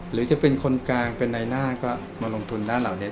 หรือจะเป็นคนกลางเป็นในหน้าก็มาลงทุนด้านเหล่านี้